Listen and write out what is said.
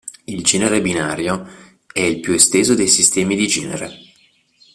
Il genere binario è il più esteso dei "sistemi di genere.